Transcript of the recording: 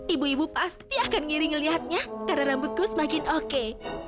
ibu ibu pasti akan ngiring lihatnya karena rambutku semakin oke